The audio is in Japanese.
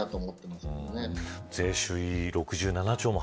税収６兆、７兆も